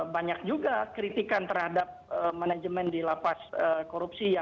banyak juga kritikan terhadap manajemen di lapas korupsi